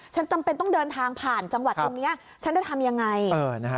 จำเป็นต้องเดินทางผ่านจังหวัดตรงนี้ฉันจะทำยังไง